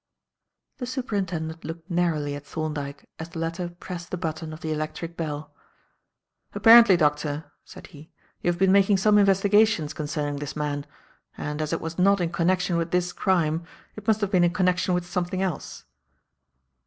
The Superintendent looked narrowly at Thorndyke as the latter pressed the button of the electric bell. "Apparently, Doctor," said he, "you have been making some investigations concerning this man, and, as it was not in connection with this crime, it must have been in connection with something else."